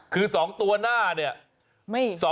คือ๒ตัวหน้าเนี่ย